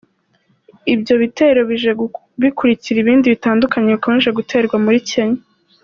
Ibyo bitero bije bikurikira ibindi bitandukanye bikomeje guterwa muri Kenya.